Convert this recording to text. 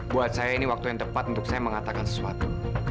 buat saya ini waktu yang tepat untuk saya mengatakan sesuatu